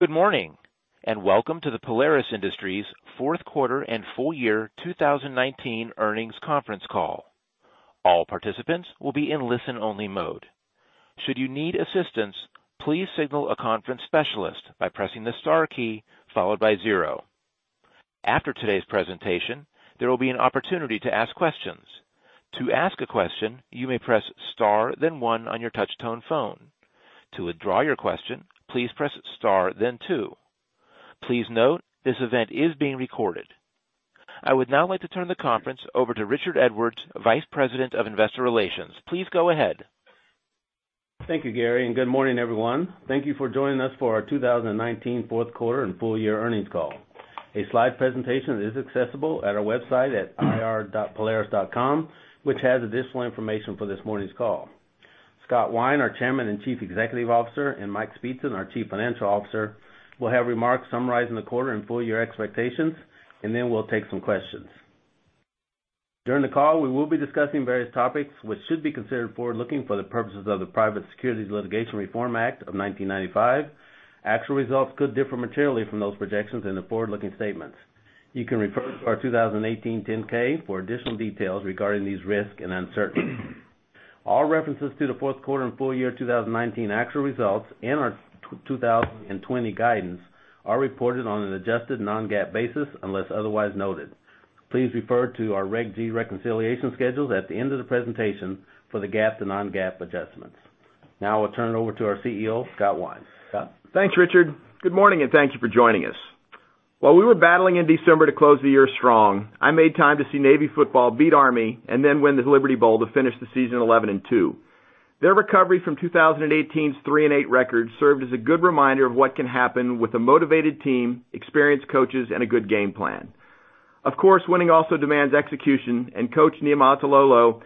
Good morning, and welcome to the Polaris Industries fourth quarter and full-year 2019 earnings conference call. All participants will be in listen-only mode. Should you need assistance, please signal a conference specialist by pressing the star key followed by zero. After today's presentation, there will be an opportunity to ask questions. To ask a question, you may press star then one on your touch-tone phone. To withdraw your question, please press star then two. Please note, this event is being recorded. I would now like to turn the conference over to Richard Edwards, Vice President of Investor Relations. Please go ahead. Thank you, Gary. Good morning, everyone. Thank you for joining us for our 2019 fourth quarter and full-year earnings call. A slide presentation is accessible at our website at ir.polaris.com, which has additional information for this morning's call. Scott Wine, our Chairman and Chief Executive Officer, and Mike Speetzen, our Chief Financial Officer, will have remarks summarizing the quarter and full-year expectations, and then we'll take some questions. During the call, we will be discussing various topics which should be considered forward-looking for the purposes of the Private Securities Litigation Reform Act of 1995. Actual results could differ materially from those projections in the forward-looking statements. You can refer to our 2018 10-K for additional details regarding these risks and uncertainties. All references to the fourth quarter and full-year 2019 actual results and our 2020 guidance are reported on an adjusted non-GAAP basis unless otherwise noted. Please refer to our Regulation G reconciliation schedules at the end of the presentation for the GAAP to non-GAAP adjustments. Now I'll turn it over to our CEO, Scott Wine. Scott? Thanks, Richard. Good morning, and thank you for joining us. While we were battling in December to close the year strong, I made time to see Navy football beat Army and then win the Liberty Bowl to finish the season 11-2. Their recovery from 2018's 3 and 8 record served as a good reminder of what can happen with a motivated team, experienced coaches, and a good game plan. Of course, winning also demands execution, and Coach Niumatalolo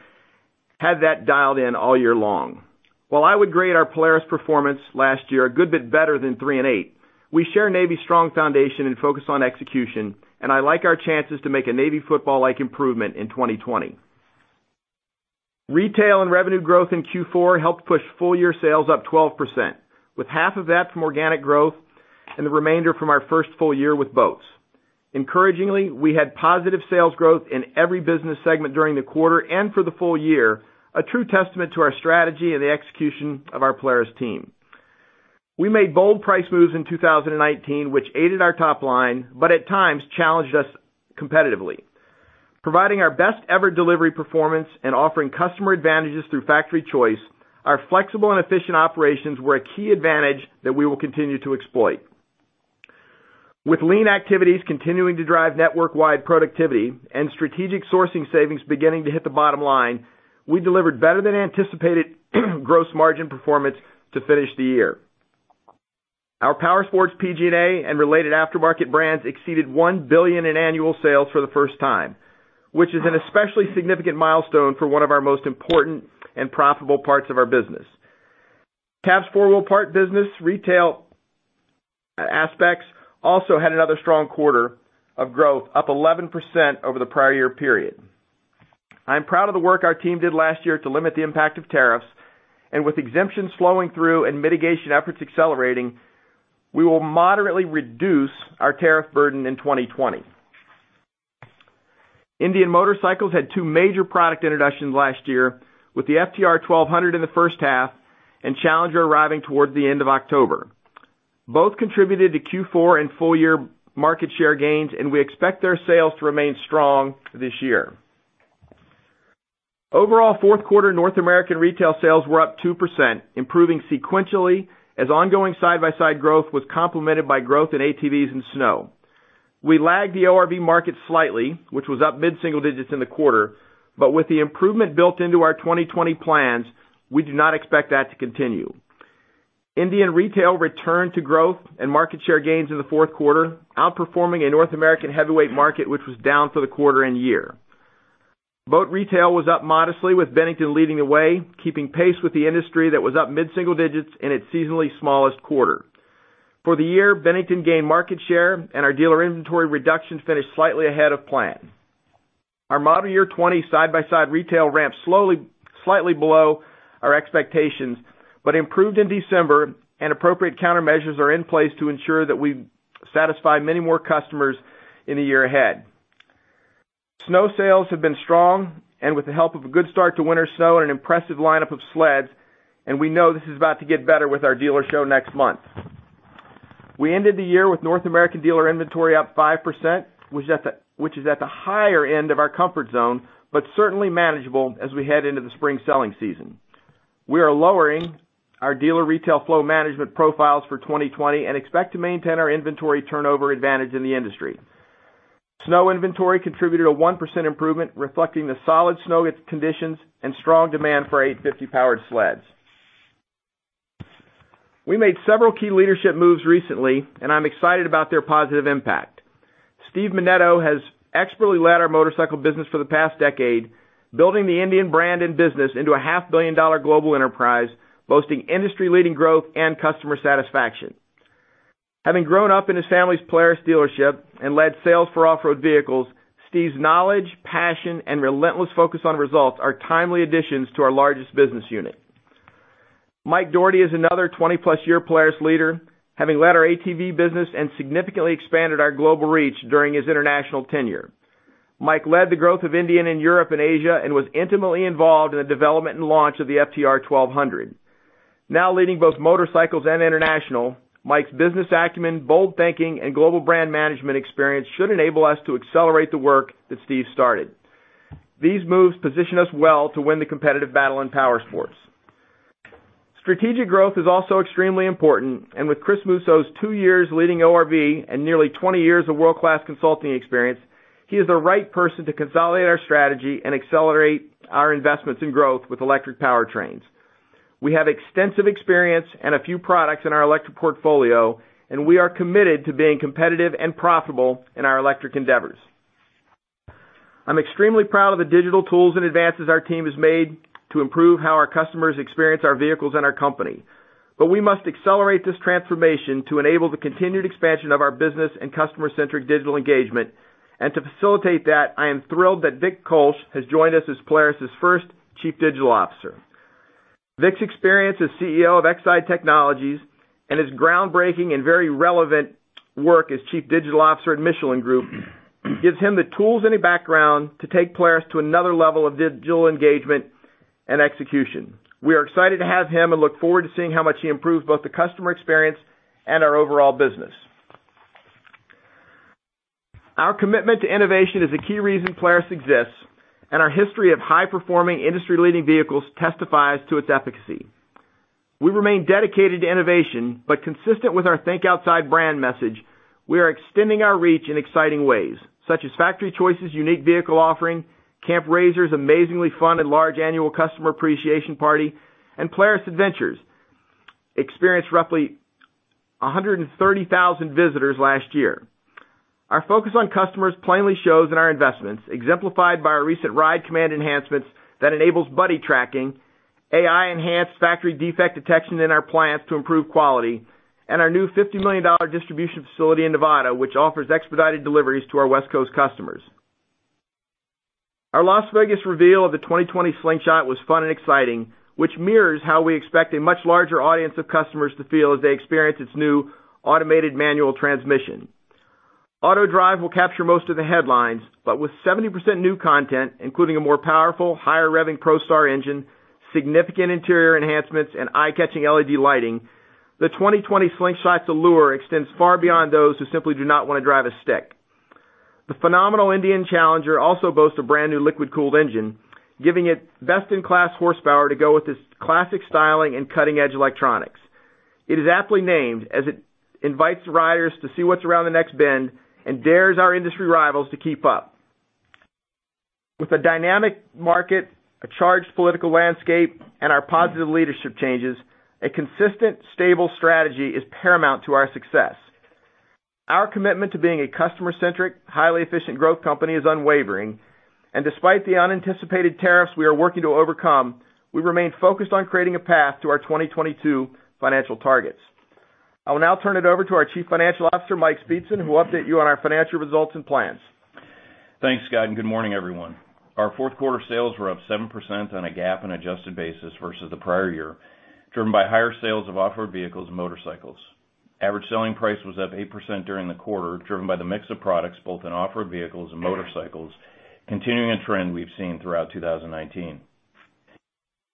had that dialed in all year long. While I would grade our Polaris performance last year a good bit better than 3 and 8, we share Navy's strong foundation and focus on execution, and I like our chances to make a Navy football-like improvement in 2020. Retail and revenue growth in Q4 helped push full-year sales up 12%, with half of that from organic growth and the remainder from our first full-year with Boats. Encouragingly, we had positive sales growth in every business segment during the quarter and for the full-year, a true testament to our strategy and the execution of our Polaris team. We made bold price moves in 2019, which aided our top line, but at times challenged us competitively. Providing our best-ever delivery performance and offering customer advantages through Factory Choice, our flexible and efficient operations were a key advantage that we will continue to exploit. With lean activities continuing to drive network-wide productivity and strategic sourcing savings beginning to hit the bottom line, we delivered better than anticipated gross margin performance to finish the year. Our Powersports PG&A and related aftermarket brands exceeded $1 billion in annual sales for the first time, which is an especially significant milestone for one of our most important and profitable parts of our business. TAP's 4 Wheel Parts business retail aspects also had another strong quarter of growth, up 11% over the prior year period. I’m proud of the work our team did last year to limit the impact of tariffs and with exemptions flowing through and mitigation efforts accelerating, we will moderately reduce our tariff burden in 2020. Indian Motorcycle had two major product introductions last year with the FTR 1200 in the first half and Challenger arriving toward the end of October. Both contributed to Q4 and full-year market share gains, we expect their sales to remain strong this year. Overall, fourth quarter North American retail sales were up 2%, improving sequentially as ongoing side-by-side growth was complemented by growth in ATVs and snow. We lagged the ORV market slightly, which was up mid-single digits in the quarter. With the improvement built into our 2020 plans, we do not expect that to continue. Indian retail returned to growth and market share gains in the fourth quarter, outperforming a North American heavyweight market which was down for the quarter and year. Boat retail was up modestly with Bennington leading the way, keeping pace with the industry that was up mid-single digits in its seasonally smallest quarter. For the year, Bennington gained market share and our dealer inventory reductions finished slightly ahead of plan. Our model year 2020 side-by-side retail ramped slightly below our expectations but improved in December and appropriate countermeasures are in place to ensure that we satisfy many more customers in the year ahead. Snow sales have been strong and with the help of a good start to winter snow and an impressive lineup of sleds, and we know this is about to get better with our dealer show next month. We ended the year with North American dealer inventory up 5%, which is at the higher end of our comfort zone, but certainly manageable as we head into the spring selling season. We are lowering our dealer retail flow management profiles for 2020 and expect to maintain our inventory turnover advantage in the industry. Snow inventory contributed a 1% improvement, reflecting the solid snow conditions and strong demand for 850 powered sleds. We made several key leadership moves recently, and I'm excited about their positive impact. Steve Menneto has expertly led our motorcycle business for the past decade, building the Indian brand and business into a half-billion dollar global enterprise, boasting industry-leading growth and customer satisfaction. Having grown up in his family's Polaris dealership and led sales for off-road vehicles, Steve's knowledge, passion, and relentless focus on results are timely additions to our largest business unit. Mike Dougherty is another 20+ year Polaris leader, having led our ATV business and significantly expanded our global reach during his international tenure. Mike led the growth of Indian in Europe and Asia and was intimately involved in the development and launch of the FTR 1200. Now leading both motorcycles and international, Mike's business acumen, bold thinking, and global brand management experience should enable us to accelerate the work that Steve started. These moves position us well to win the competitive battle in powersports. Strategic growth is also extremely important. With Chris Musso's two years leading ORV and nearly 20 years of world-class consulting experience, he is the right person to consolidate our strategy and accelerate our investments in growth with electric powertrains. We have extensive experience and a few products in our electric portfolio. We are committed to being competitive and profitable in our electric endeavors. I'm extremely proud of the digital tools and advances our team has made to improve how our customers experience our vehicles and our company. We must accelerate this transformation to enable the continued expansion of our business and customer-centric digital engagement. To facilitate that, I am thrilled that Vic Koelsch has joined us as Polaris' first Chief Digital Officer. Vic's experience as CEO of Exide Technologies and his groundbreaking and very relevant work as Chief Digital Officer at Michelin Groupe gives him the tools and the background to take Polaris to another level of digital engagement and execution. We are excited to have him and look forward to seeing how much he improves both the customer experience and our overall business. Our commitment to innovation is a key reason Polaris exists, and our history of high-performing, industry-leading vehicles testifies to its efficacy. Consistent with our Think Outside brand message, we are extending our reach in exciting ways, such as Factory Choice, unique vehicle offering, Camp RZR's amazingly fun and large annual customer appreciation party, and Polaris Adventures experienced roughly 130,000 visitors last year. Our focus on customers plainly shows in our investments, exemplified by our recent RIDE COMMAND enhancements that enables buddy tracking, AI-enhanced factory defect detection in our plants to improve quality, and our new $50 million distribution facility in Nevada, which offers expedited deliveries to our West Coast customers. Our Las Vegas reveal of the 2020 Slingshot was fun and exciting, which mirrors how we expect a much larger audience of customers to feel as they experience its new automated manual transmission. AutoDrive will capture most of the headlines, but with 70% new content, including a more powerful, higher-revving ProStar engine, significant interior enhancements, and eye-catching LED lighting, the 2020 Slingshot's allure extends far beyond those who simply do not want to drive a stick. The phenomenal Indian Challenger also boasts a brand-new liquid-cooled engine, giving it best-in-class horsepower to go with its classic styling and cutting-edge electronics. It is aptly named as it invites riders to see what's around the next bend and dares our industry rivals to keep up. With a dynamic market, a charged political landscape, and our positive leadership changes, a consistent, stable strategy is paramount to our success. Our commitment to being a customer-centric, highly efficient growth company is unwavering, and despite the unanticipated tariffs we are working to overcome, we remain focused on creating a path to our 2022 financial targets. I will now turn it over to our Chief Financial Officer, Mike Speetzen, who will update you on our financial results and plans. Thanks, Scott, and good morning, everyone. Our fourth quarter sales were up 7% on a GAAP and adjusted basis versus the prior year, driven by higher sales of off-road vehicles and motorcycles. Average selling price was up 8% during the quarter, driven by the mix of products both in off-road vehicles and motorcycles, continuing a trend we've seen throughout 2019.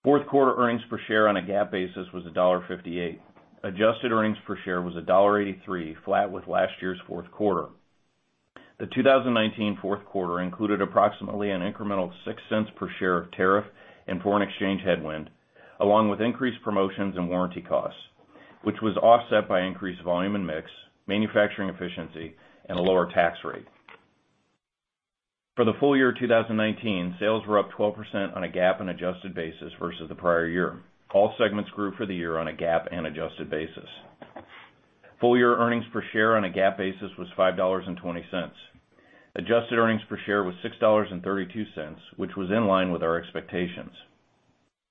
Fourth quarter earnings per share on a GAAP basis was $1.58. Adjusted earnings per share was $1.83, flat with last year's fourth quarter. The 2019 fourth quarter included approximately an incremental $0.06 per share of tariff and foreign exchange headwind, along with increased promotions and warranty costs, which was offset by increased volume and mix, manufacturing efficiency, and a lower tax rate. For the full-year 2019, sales were up 12% on a GAAP and adjusted basis versus the prior year. All segments grew for the year on a GAAP and adjusted basis. Full-year earnings per share on a GAAP basis was $5.20. Adjusted earnings per share was $6.32, which was in line with our expectations.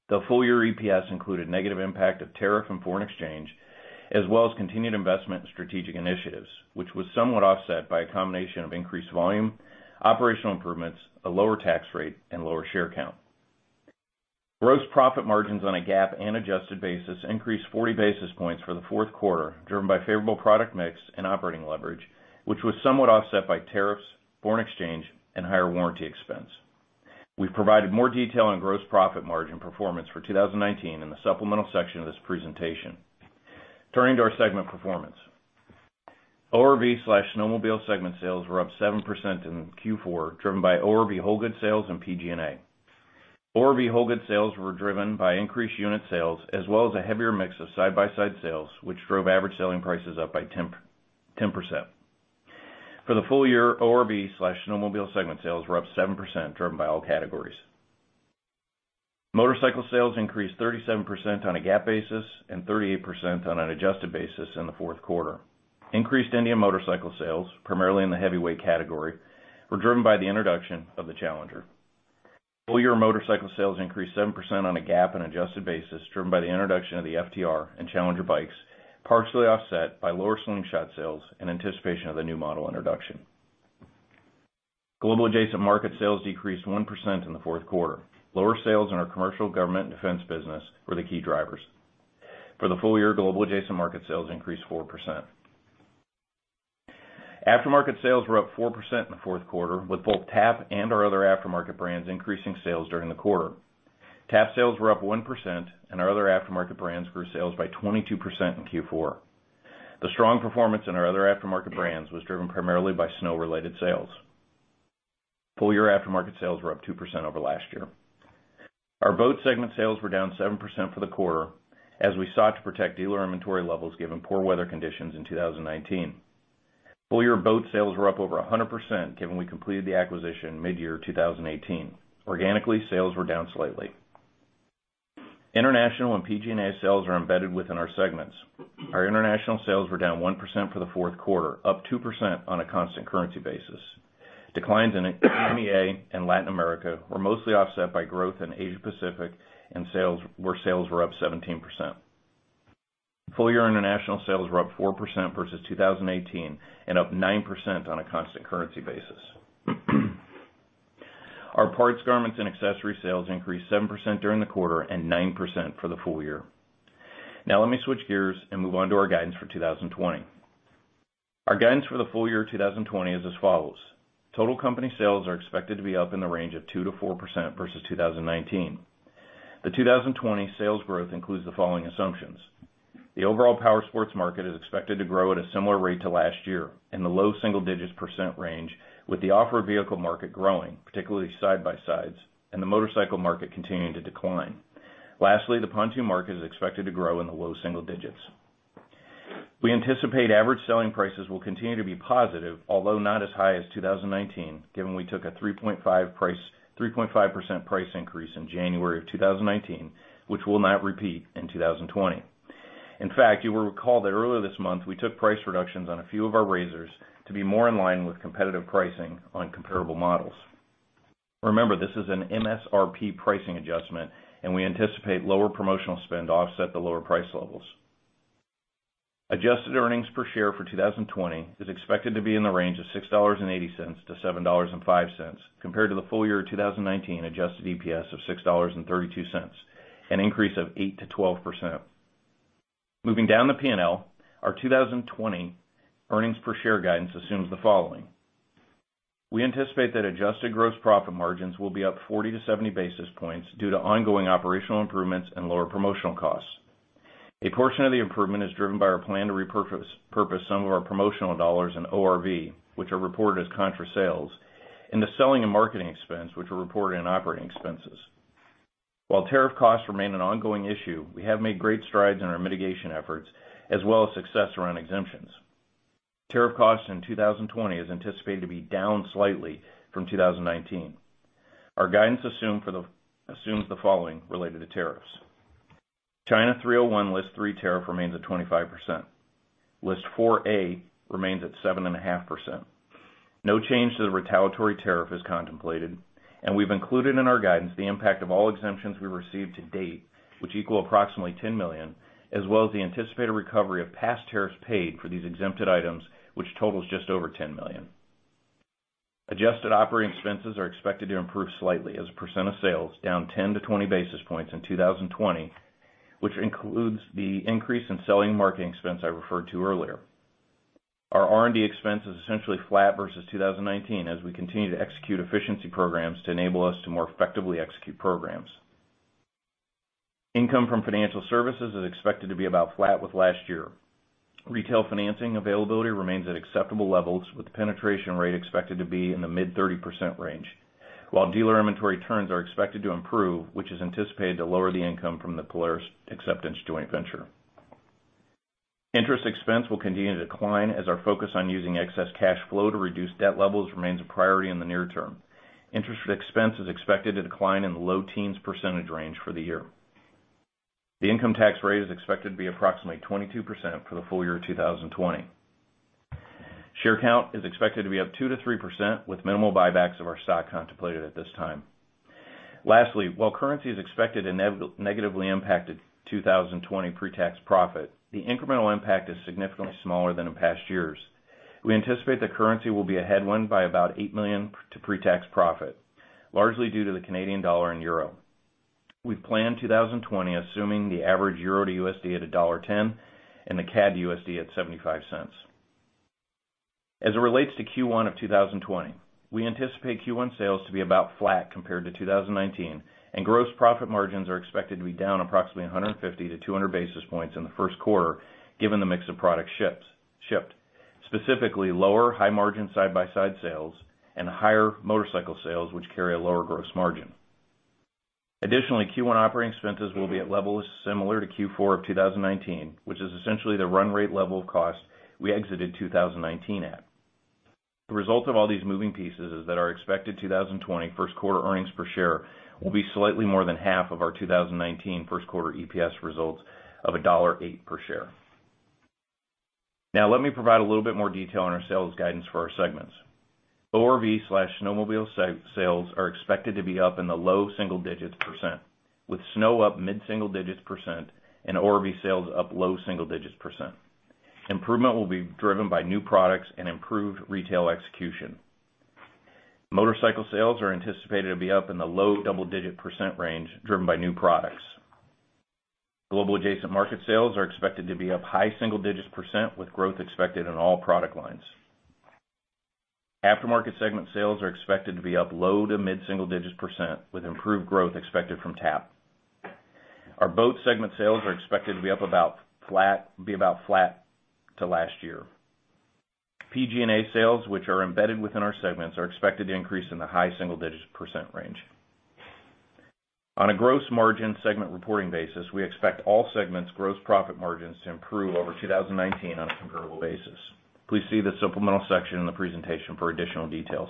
The full-year EPS included negative impact of tariff and foreign exchange, as well as continued investment in strategic initiatives, which was somewhat offset by a combination of increased volume, operational improvements, a lower tax rate, and lower share count. Gross profit margins on a GAAP and adjusted basis increased 40 basis points for the fourth quarter, driven by favorable product mix and operating leverage, which was somewhat offset by tariffs, foreign exchange, and higher warranty expense. We've provided more detail on gross profit margin performance for 2019 in the supplemental section of this presentation. Turning to our segment performance. ORV/snowmobile segment sales were up 7% in Q4, driven by ORV whole goods sales and PG&A. ORV whole goods sales were driven by increased unit sales as well as a heavier mix of side-by-side sales, which drove average selling prices up by 10%. For the full-year, ORV/snowmobile segment sales were up 7%, driven by all categories. Motorcycle sales increased 37% on a GAAP basis and 38% on an adjusted basis in the fourth quarter. Increased Indian Motorcycle sales, primarily in the heavyweight category, were driven by the introduction of the Challenger. Full-year motorcycle sales increased 7% on a GAAP and adjusted basis, driven by the introduction of the FTR and Challenger bikes, partially offset by lower Slingshot sales in anticipation of the new model introduction. Global adjacent market sales decreased 1% in the fourth quarter. Lower sales in our commercial, government, and defense business were the key drivers. For the full-year, global adjacent market sales increased 4%. Aftermarket sales were up 4% in the fourth quarter, with both TAP and our other aftermarket brands increasing sales during the quarter. TAP sales were up 1%. Our other aftermarket brands grew sales by 22% in Q4. The strong performance in our other aftermarket brands was driven primarily by snow-related sales. Full-year aftermarket sales were up 2% over last year. Our boat segment sales were down 7% for the quarter as we sought to protect dealer inventory levels, given poor weather conditions in 2019. Full-year boat sales were up over 100% given we completed the acquisition mid-year 2018. Organically, sales were down slightly. International and PG&A sales are embedded within our segments. Our international sales were down 1% for the fourth quarter, up 2% on a constant currency basis. Declines in EMEA and Latin America were mostly offset by growth in Asia-Pacific where sales were up 17%. Full-year international sales were up 4% versus 2018 and up 9% on a constant currency basis. Our parts, garments, and accessory sales increased 7% during the quarter and 9% for the full-year. Let me switch gears and move on to our guidance for 2020. Our guidance for the full-year 2020 is as follows. Total company sales are expected to be up in the range of 2%-4% versus 2019. The 2020 sales growth includes the following assumptions. The overall powersports market is expected to grow at a similar rate to last year, in the low single digits percent range, with the off-road vehicle market growing, particularly side-by-sides, and the motorcycle market continuing to decline. Lastly, the pontoon market is expected to grow in the low single digits. We anticipate average selling prices will continue to be positive, although not as high as 2019, given we took a 3.5% price increase in January of 2019, which will not repeat in 2020. In fact, you will recall that earlier this month, we took price reductions on a few of our RZRs to be more in line with competitive pricing on comparable models. Remember, this is an MSRP pricing adjustment, and we anticipate lower promotional spend to offset the lower price levels. Adjusted earnings per share for 2020 is expected to be in the range of $6.80-$7.05 compared to the full-year 2019 adjusted EPS of $6.32, an increase of 8%-12%. Moving down the P&L, our 2020 earnings per share guidance assumes the following. We anticipate that adjusted gross profit margins will be up 40-70 basis points due to ongoing operational improvements and lower promotional costs. A portion of the improvement is driven by our plan to repurpose some of our promotional dollars in ORV, which are reported as contra sales, and the selling and marketing expense, which are reported in operating expenses. While tariff costs remain an ongoing issue, we have made great strides in our mitigation efforts as well as success around exemptions. Tariff costs in 2020 is anticipated to be down slightly from 2019. Our guidance assumes the following related to tariffs. China 301 List 3 tariff remains at 25%. List 4A remains at 7.5%. No change to the retaliatory tariff is contemplated. We've included in our guidance the impact of all exemptions we've received to date, which equal approximately $10 million, as well as the anticipated recovery of past tariffs paid for these exempted items, which totals just over $10 million. Adjusted operating expenses are expected to improve slightly as a percent of sales, down 10-20 basis points in 2020, which includes the increase in selling and marketing expense I referred to earlier. Our R&D expense is essentially flat versus 2019 as we continue to execute efficiency programs to enable us to more effectively execute programs. Income from financial services is expected to be about flat with last year. Retail financing availability remains at acceptable levels, with the penetration rate expected to be in the mid-30% range. While dealer inventory turns are expected to improve, which is anticipated to lower the income from the Polaris Acceptance joint venture. Interest expense will continue to decline as our focus on using excess cash flow to reduce debt levels remains a priority in the near term. Interest expense is expected to decline in the low teens percentage range for the year. The income tax rate is expected to be approximately 22% for the full-year 2020. Share count is expected to be up 2%-3% with minimal buybacks of our stock contemplated at this time. Lastly, while currency is expected to negatively impact 2020 pre-tax profit, the incremental impact is significantly smaller than in past years. We anticipate that currency will be a headwind by about $8 million to pre-tax profit, largely due to the Canadian dollar and euro. We've planned 2020 assuming the average EUR to USD at $1.10 and the CAD to USD at $0.75. As it relates to Q1 of 2020, we anticipate Q1 sales to be about flat compared to 2019, and gross profit margins are expected to be down approximately 150-200 basis points in the first quarter, given the mix of product shipped, specifically lower high-margin side-by-side sales and higher motorcycle sales, which carry a lower gross margin. Additionally, Q1 operating expenses will be at levels similar to Q4 of 2019, which is essentially the run rate level of cost we exited 2019 at. The result of all these moving pieces is that our expected 2020 first quarter earnings per share will be slightly more than half of our 2019 first quarter EPS results of $1.08 per share. Let me provide a little bit more detail on our sales guidance for our segments. ORV/snowmobile sales are expected to be up in the low single digits percent, with snow up mid-single digits percent and ORV sales up low single digits percent. Improvement will be driven by new products and improved retail execution. Motorcycle sales are anticipated to be up in the low double-digit percent range, driven by new products. Global adjacent market sales are expected to be up high single digits percent with growth expected in all product lines. Aftermarket segment sales are expected to be up low to mid-single digits percent with improved growth expected from TAP. Our boat segment sales are expected to be up about flat to last year. PG&A sales, which are embedded within our segments, are expected to increase in the high single digits percent range. On a gross margin segment reporting basis, we expect all segments' gross profit margins to improve over 2019 on a comparable basis. Please see the supplemental section in the presentation for additional details.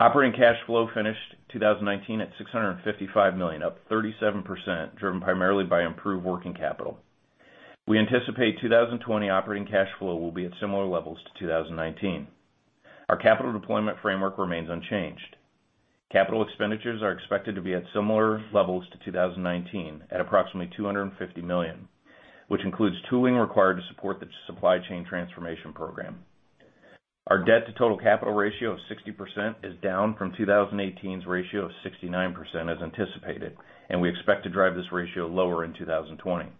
Operating cash flow finished 2019 at $655 million, up 37%, driven primarily by improved working capital. We anticipate 2020 operating cash flow will be at similar levels to 2019. Our capital deployment framework remains unchanged. Capital expenditures are expected to be at similar levels to 2019 at approximately $250 million, which includes tooling required to support the supply chain transformation program. Our debt to total capital ratio of 60% is down from 2018's ratio of 69% as anticipated, and we expect to drive this ratio lower in 2020.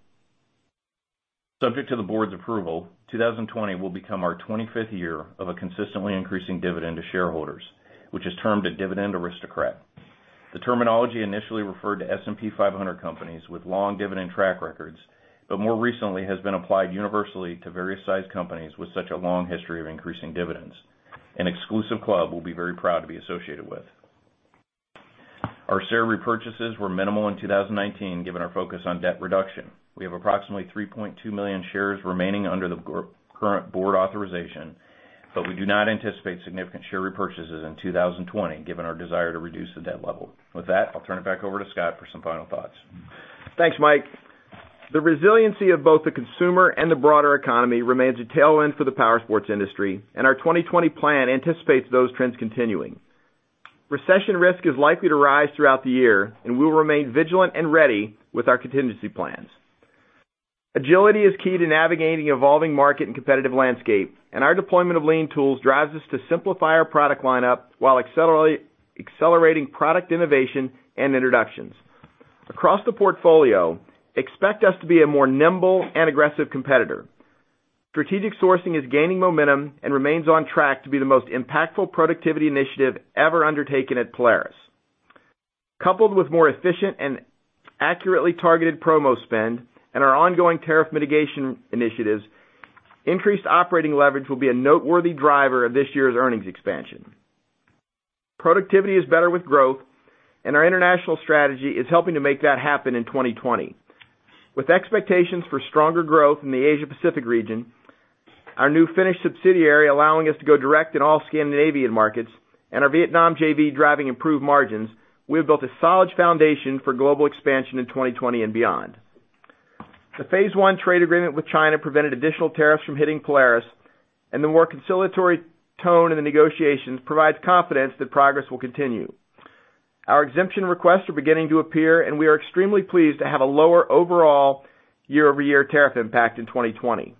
Subject to the board's approval, 2020 will become our 25th year of a consistently increasing dividend to shareholders, which is termed a Dividend Aristocrat. The terminology initially referred to S&P 500 companies with long dividend track records, but more recently has been applied universally to various sized companies with such a long history of increasing dividends, an exclusive club we'll be very proud to be associated with. Our share repurchases were minimal in 2019, given our focus on debt reduction. We have approximately 3.2 million shares remaining under the current board authorization, but we do not anticipate significant share repurchases in 2020 given our desire to reduce the debt level. With that, I'll turn it back over to Scott for some final thoughts. Thanks, Mike. The resiliency of both the consumer and the broader economy remains a tailwind for the powersports industry, and our 2020 plan anticipates those trends continuing. Recession risk is likely to rise throughout the year, and we will remain vigilant and ready with our contingency plans. Agility is key to navigating evolving market and competitive landscape, and our deployment of lean tools drives us to simplify our product lineup while accelerating product innovation and introductions. Across the portfolio, expect us to be a more nimble and aggressive competitor. Strategic sourcing is gaining momentum and remains on track to be the most impactful productivity initiative ever undertaken at Polaris. Coupled with more efficient and accurately targeted promo spend and our ongoing tariff mitigation initiatives, increased operating leverage will be a noteworthy driver of this year's earnings expansion. Productivity is better with growth, and our international strategy is helping to make that happen in 2020. With expectations for stronger growth in the Asia-Pacific region, our new Finnish subsidiary allowing us to go direct in all Scandinavian markets, and our Vietnam JV driving improved margins, we have built a solid foundation for global expansion in 2020 and beyond. The phase I trade agreement with China prevented additional tariffs from hitting Polaris, and the more conciliatory tone in the negotiations provides confidence that progress will continue. Our exemption requests are beginning to appear, and we are extremely pleased to have a lower overall year-over-year tariff impact in 2020.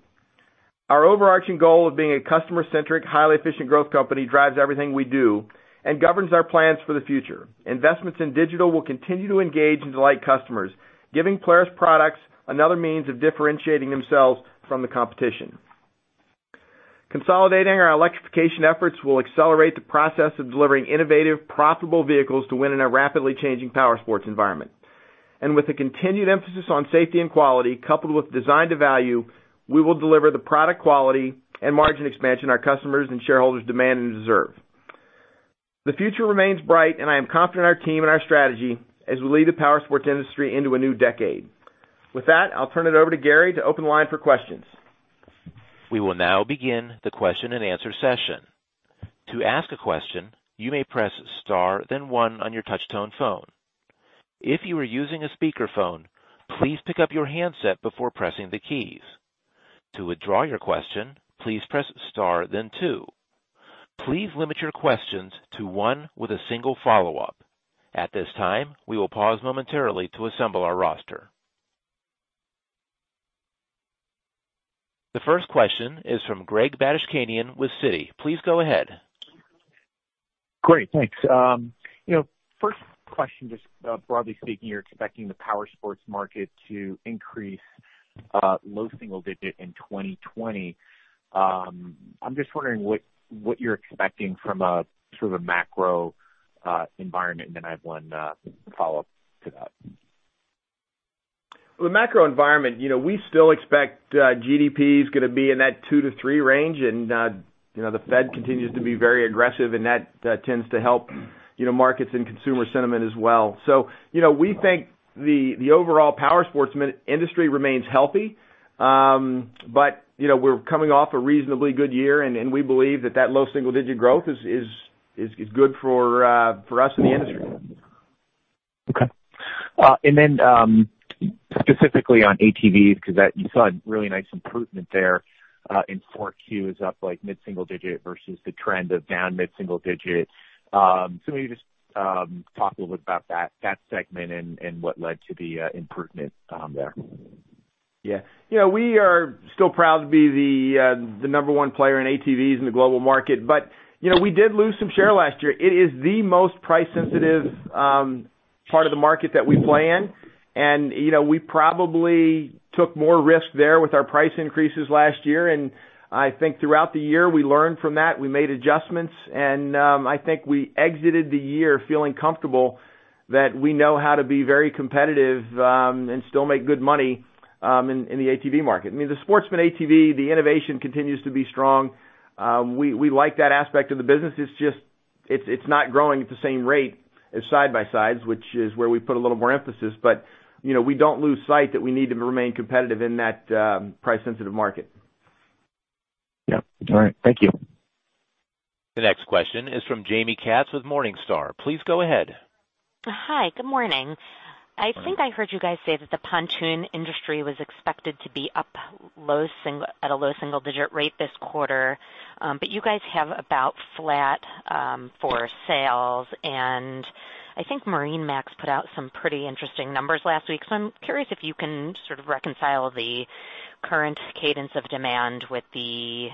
Our overarching goal of being a customer-centric, highly efficient growth company drives everything we do and governs our plans for the future. Investments in digital will continue to engage and delight customers, giving Polaris products another means of differentiating themselves from the competition. Consolidating our electrification efforts will accelerate the process of delivering innovative, profitable vehicles to win in a rapidly changing powersports environment. With a continued emphasis on safety and quality, coupled with design to value, we will deliver the product quality and margin expansion our customers and shareholders demand and deserve. The future remains bright, and I am confident in our team and our strategy as we lead the powersports industry into a new decade. With that, I'll turn it over to Gary to open the line for questions. We will now begin the question-and-answer session. To ask a question, you may press star then one on your touch-tone phone. If you are using a speakerphone, please pick up your handset before pressing the keys. To withdraw your question, please press star then two. Please limit your questions to one with a single follow-up. At this time, we will pause momentarily to assemble our roster. The first question is from Greg Badishkanian with Citi. Please go ahead. Great, thanks. First question, just broadly speaking, you're expecting the powersports market to increase low single digit in 2020. I'm just wondering what you're expecting from a sort of a macro environment, and then I have one follow-up to that? Well, the macro environment, we still expect GDP is going to be in that 2%-3% range, and the Fed continues to be very aggressive, and that tends to help markets and consumer sentiment as well. We think the overall powersports industry remains healthy. We're coming off a reasonably good year, and we believe that that low single digit growth is good for us and the industry. Okay. Specifically on ATVs, because you saw a really nice improvement there in 4Q is up mid-single digit versus the trend of down mid-single digit. Maybe just talk a little bit about that segment and what led to the improvement there? Yeah. We are still proud to be the number one player in ATVs in the global market. We did lose some share last year. It is the most price-sensitive part of the market that we play in, and we probably took more risk there with our price increases last year. I think throughout the year, we learned from that. We made adjustments, and I think we exited the year feeling comfortable that we know how to be very competitive and still make good money in the ATV market. The Sportsman ATV, the innovation continues to be strong. We like that aspect of the business. It's just not growing at the same rate as side-by-sides, which is where we put a little more emphasis but we don't lose sight that we need to remain competitive in that price-sensitive market. Yep. All right, thank you. The next question is from Jaime Katz with Morningstar. Please go ahead. Hi. Good morning. Good morning. I think I heard you guys say that the pontoon industry was expected to be up at a low single-digit rate this quarter. You guys have about flat for sales, and I think MarineMax put out some pretty interesting numbers last week. I'm curious if you can sort of reconcile the current cadence of demand with the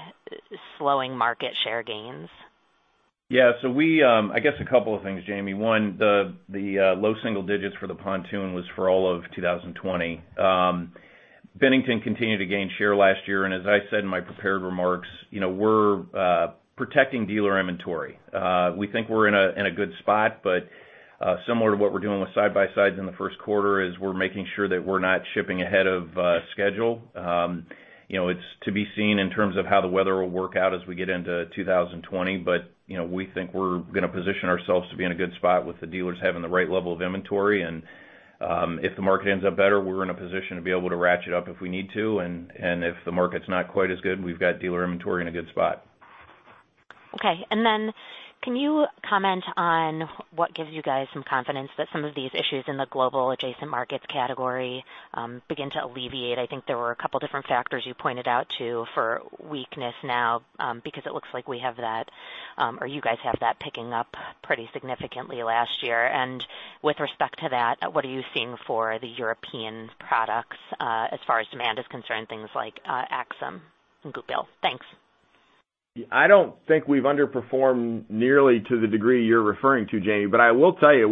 slowing market share gains. Yeah. I guess a couple of things, Jaime. One, the low single digits for the pontoon was for all of 2020. Bennington continued to gain share last year. As I said in my prepared remarks, we're protecting dealer inventory. We think we're in a good spot, similar to what we're doing with side-by-sides in the first quarter is we're making sure that we're not shipping ahead of schedule. It's to be seen in terms of how the weather will work out as we get into 2020. We think we're going to position ourselves to be in a good spot with the dealers having the right level of inventory. If the market ends up better, we're in a position to be able to ratchet up if we need to. If the market's not quite as good, we've got dealer inventory in a good spot. Okay. Can you comment on what gives you guys some confidence that some of these issues in the global adjacent markets category begin to alleviate? I think there were a couple of different factors you pointed out too, for weakness now because it looks like we have that, or you guys have that picking up pretty significantly last year? With respect to that, what are you seeing for the European products as far as demand is concerned, things like Aixam and Goupil? Thanks. I don't think we've underperformed nearly to the degree you're referring to, Jaime, but I will tell you,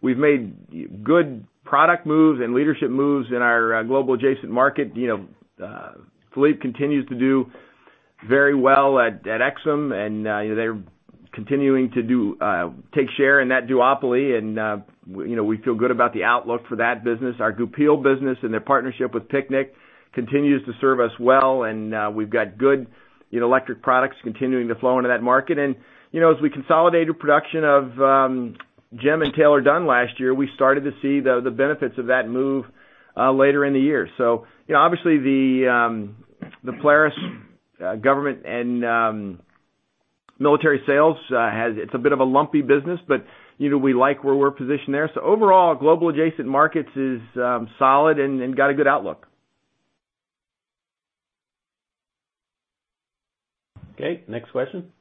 we've made good product moves and leadership moves in our global adjacent market. Philippe continues to do very well at Aixam, and they're continuing to take share in that duopoly, and we feel good about the outlook for that business. Our Goupil business and their partnership with Picnic continues to serve us well, and we've got good electric products continuing to flow into that market. As we consolidated production of GEM and Taylor-Dunn last year, we started to see the benefits of that move later in the year. Obviously, the Polaris government and military sales, it's a bit of a lumpy business, but we like where we're positioned there. Overall, global adjacent markets is solid and got a good outlook. Okay, next question?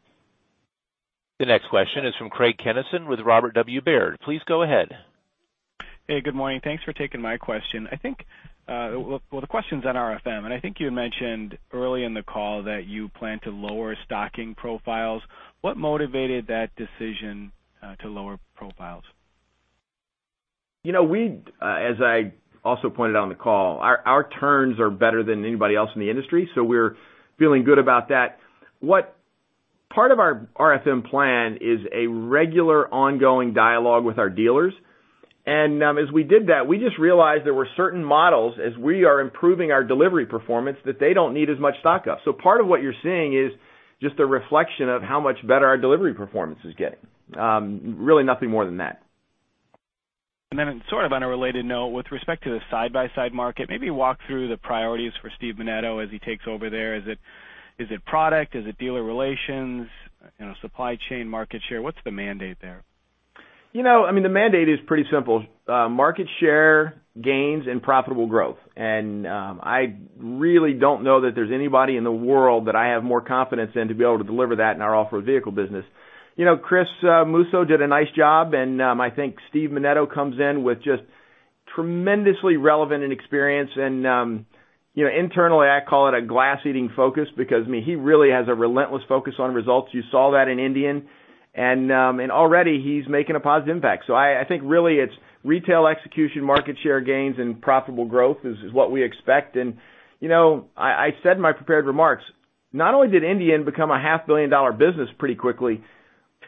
The next question is from Craig Kennison with Robert W. Baird. Please go ahead. Hey, good morning. Thanks for taking my question. Well, the question's on RFM, and I think you had mentioned early in the call that you plan to lower stocking profiles. What motivated that decision to lower profiles? As I also pointed out on the call, our turns are better than anybody else in the industry, so we're feeling good about that. Part of our RFM plan is a regular ongoing dialogue with our dealers. As we did that, we just realized there were certain models as we are improving our delivery performance, that they don't need as much stock of. Part of what you're seeing is just a reflection of how much better our delivery performance is getting. Really nothing more than that. Sort of on a related note, with respect to the side-by-side market, maybe walk through the priorities for Steve Menneto as he takes over there. Is it product, is it dealer relations, supply chain, market share? What's the mandate there? The mandate is pretty simple. Market share gains and profitable growth. I really don't know that there's anybody in the world that I have more confidence in to be able to deliver that in our off-road vehicle business. Chris Musso did a nice job, and I think Steve Menneto comes in with just tremendously relevant and experience. Internally, I call it a glass eating focus because he really has a relentless focus on results. You saw that in Indian, and already he's making a positive impact. I think really it's retail execution, market share gains, and profitable growth is what we expect. I said in my prepared remarks, not only did Indian become a $500 million business pretty quickly,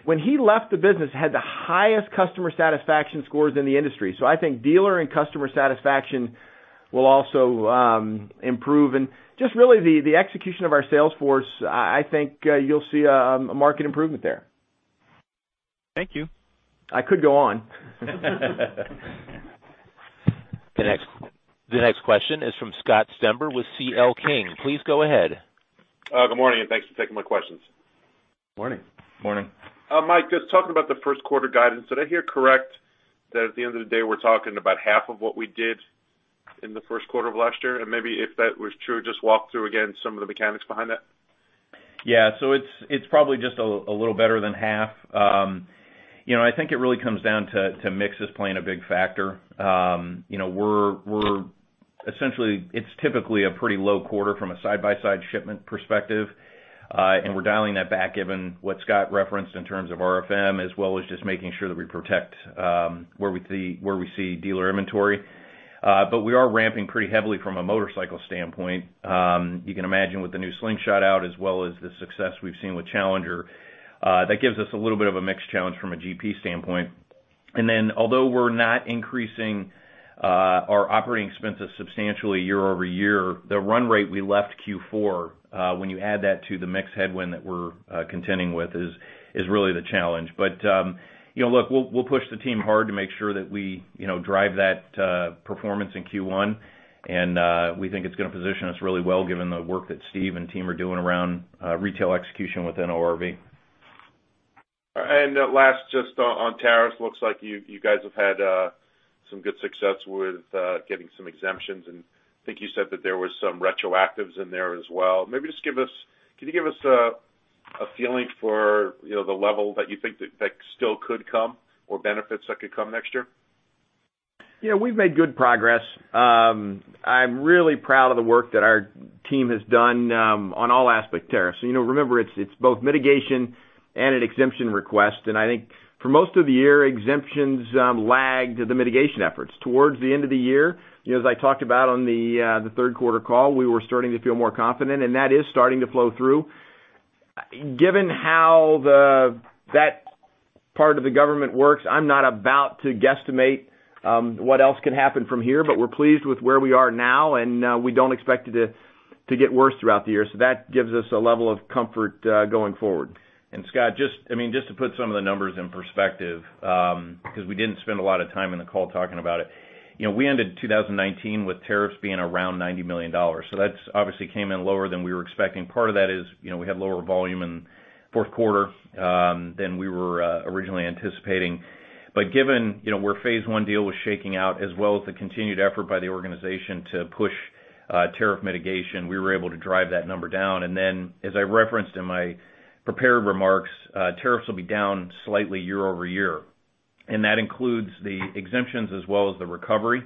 when he left the business, had the highest customer satisfaction scores in the industry. I think dealer and customer satisfaction will also improve. Just really the execution of our sales force, I think you'll see a market improvement there. Thank you. I could go on. The next question is from Scott Stember with C.L. King, please go ahead. Good morning. Thanks for taking my questions. Morning. Morning. Mike, just talking about the first quarter guidance, did I hear correct that at the end of the day, we're talking about half of what we did in the first quarter of last year? Maybe if that was true, just walk through again some of the mechanics behind that. Yeah, it's probably just a little better than half. I think it really comes down to mix is playing a big factor. Essentially, it's typically a pretty low quarter from a side-by-side shipment perspective. We're dialing that back given what Scott referenced in terms of RFM, as well as just making sure that we protect where we see dealer inventory. We are ramping pretty heavily from a motorcycle standpoint. You can imagine with the new Slingshot out as well as the success we've seen with Challenger, that gives us a little bit of a mix challenge from a GP standpoint. Although we're not increasing our operating expenses substantially year-over-year, the run rate we left Q4, when you add that to the mix headwind that we're contending with is really the challenge. Look, we'll push the team hard to make sure that we drive that performance in Q1, and we think it's going to position us really well given the work that Steve and team are doing around retail execution within ORV. Last, just on tariffs, looks like you guys have had some good success with getting some exemptions, and I think you said that there was some retroactives in there as well. Maybe just, can you give us a feeling for the level that you think that still could come or benefits that could come next year? Yeah, we've made good progress. I'm really proud of the work that our team has done on all aspect tariffs. Remember, it's both mitigation and an exemption request, and I think for most of the year, exemptions lagged the mitigation efforts. Towards the end of the year, as I talked about on the third quarter call, we were starting to feel more confident, and that is starting to flow through. Given how that part of the government works, I'm not about to guesstimate what else can happen from here, but we're pleased with where we are now, and we don't expect it to get worse throughout the year, so that gives us a level of comfort going forward. Scott, just to put some of the numbers in perspective, because we didn't spend a lot of time in the call talking about it. We ended 2019 with tariffs being around $90 million. That's obviously came in lower than we were expecting. Part of that is we had lower volume in fourth quarter than we were originally anticipating. Given where phase I deal was shaking out, as well as the continued effort by the organization to push tariff mitigation, we were able to drive that number down. As I referenced in my prepared remarks, tariffs will be down slightly year-over-year. That includes the exemptions as well as the recovery.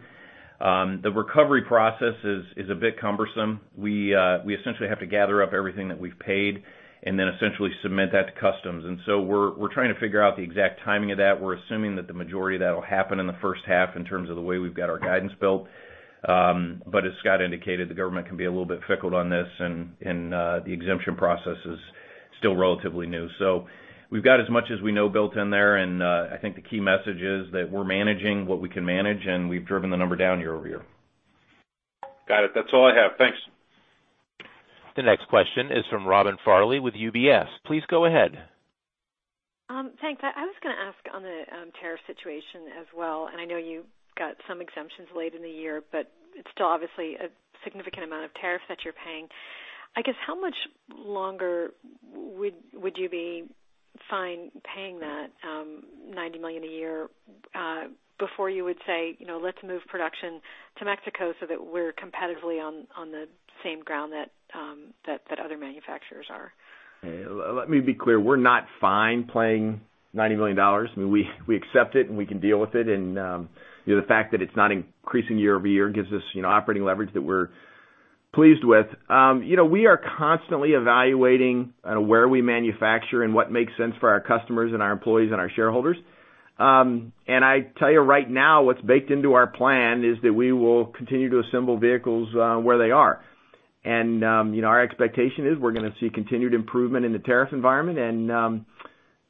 The recovery process is a bit cumbersome. We essentially have to gather up everything that we've paid and then essentially submit that to customs. We're trying to figure out the exact timing of that. We're assuming that the majority of that'll happen in the first half in terms of the way we've got our guidance built. As Scott indicated, the government can be a little bit fickle on this and the exemption process is still relatively new. We've got as much as we know built in there, and I think the key message is that we're managing what we can manage and we've driven the number down year-over-year. Got it, that's all I have. Thanks. The next question is from Robin Farley with UBS. Please go ahead. Thanks. I was going to ask on the tariff situation as well, and I know you got some exemptions late in the year, but it's still obviously a significant amount of tariff that you're paying. I guess how much longer would you be fine paying that $90 million a year before you would say, "Let's move production to Mexico so that we're competitively on the same ground that other manufacturers are"? Let me be clear. We're not fine paying $90 million. We accept it and we can deal with it and the fact that it's not increasing year-over-year gives us operating leverage that we're pleased with. We are constantly evaluating where we manufacture and what makes sense for our customers and our employees and our shareholders. I tell you right now, what's baked into our plan is that we will continue to assemble vehicles where they are. Our expectation is we're going to see continued improvement in the tariff environment and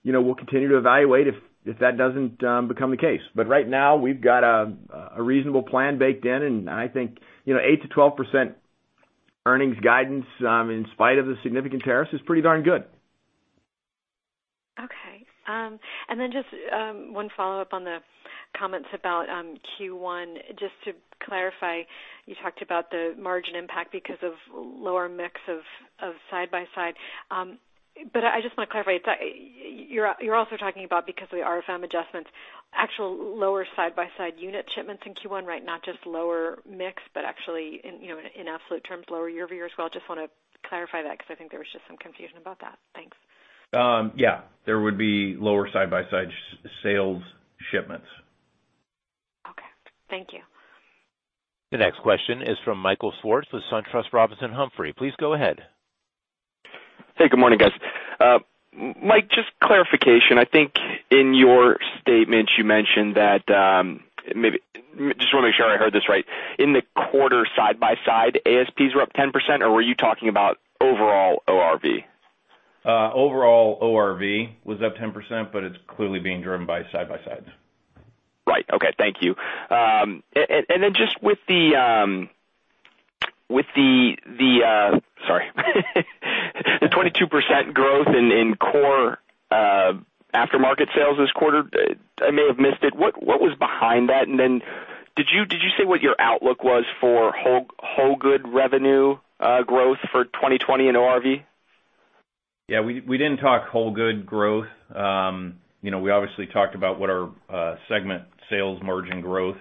we'll continue to evaluate if that doesn't become the case. Right now, we've got a reasonable plan baked in and I think 8%-12% earnings guidance in spite of the significant tariffs is pretty darn good. Okay, just one follow-up on the comments about Q1. Just to clarify, you talked about the margin impact because of lower mix of side-by-side. I just want to clarify. You're also talking about because of the RFM adjustments, actual lower side-by-side unit shipments in Q1, right? Not just lower mix, but actually in absolute terms lower year-over-year as well. Just want to clarify that because I think there was just some confusion about that. Thanks. Yeah. There would be lower side-by-side sales shipments. Okay, thank you. The next question is from Michael Swartz with SunTrust Robinson Humphrey. Please go ahead. Hey, good morning, guys. Mike, just clarification. I think in your statement you mentioned that, just want to make sure I heard this right. In the quarter side-by-side ASPs were up 10% or were you talking about overall ORV? Overall ORV was up 10%, but it's clearly being driven by side-by-sides. Right. Okay, thank you. Just sorry, the 22% growth in core aftermarket sales this quarter, I may have missed it. What was behind that? Did you say what your outlook was for whole goods revenue growth for 2020 and ORV? Yeah, we didn't talk whole good growth. We obviously talked about what our segment sales margin growth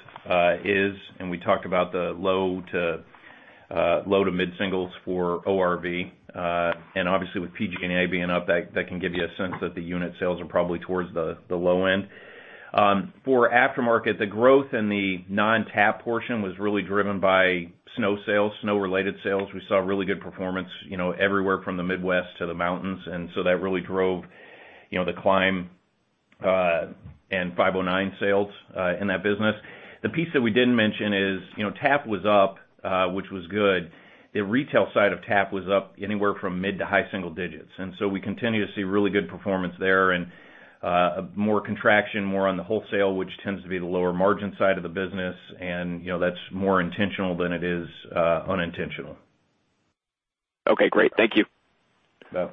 is, and we talked about the low to mid-singles for ORV. Obviously with PG&A being up, that can give you a sense that the unit sales are probably towards the low end. For aftermarket, the growth in the non-TAP portion was really driven by snow sales, snow-related sales. We saw really good performance everywhere from the Midwest to the mountains, and so that really drove the Klim and 509 sales in that business. The piece that we didn't mention is TAP was up, which was good. The retail side of TAP was up anywhere from mid to high single digits. We continue to see really good performance there and more contraction, more on the wholesale, which tends to be the lower margin side of the business, and that's more intentional than it is unintentional. Okay, great. Thank you. You bet.